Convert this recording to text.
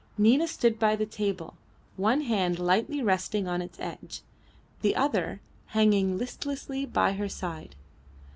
Nina stood by the table, one hand lightly resting on its edge, the other hanging listlessly by her side.